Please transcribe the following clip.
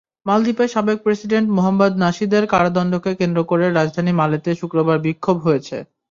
মালদ্বীপের সাবেক প্রেসিডেন্ট মোহাম্মদ নাশিদের কারাদণ্ডকে কেন্দ্র করে রাজধানী মালেতে শুক্রবার বিক্ষোভ হয়েছে।